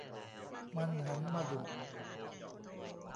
มันหันมาดุ